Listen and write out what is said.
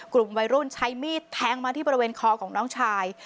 กลุ่มวัยรุ่นใช้มีดแทงมาที่บริเวณคอของน้องชาย